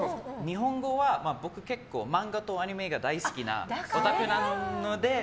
日本語は僕、漫画とアニメが大好きなオタクなので。